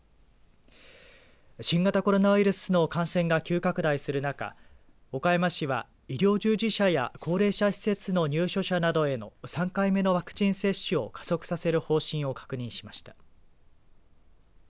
新型コロナウイルスの感染が急拡大する中岡山市は、医療従事者や高齢者施設の入所者などへの３回目のワクチン接種を加速させる方針を示しました。